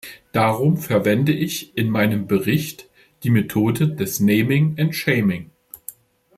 Darum verwende ich in meinem Bericht die Methode des naming and shaming.